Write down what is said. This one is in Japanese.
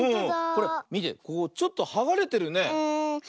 これみてここちょっとはがれてるね。